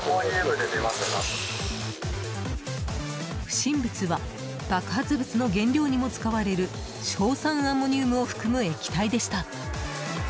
不審物は爆発物の原料にも使われる硝酸アンモニウムを含む液体でした。